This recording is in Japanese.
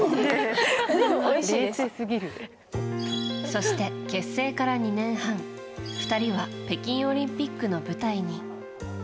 そして、結成から２年半２人は北京オリンピックの舞台に。